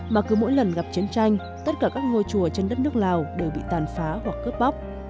mà cứ mỗi lần gặp chiến tranh tất cả các ngôi chùa trên đất nước lào đều bị tàn phá hoặc cướp bóc